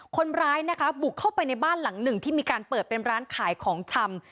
คนร้ายนะคะบุกเข้าไปในบ้านหลังหนึ่งที่มีการเปิดเป็นร้านขายของชำ